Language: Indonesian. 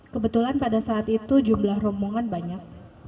kebetulan pada saat itu jumlah rombongan banyak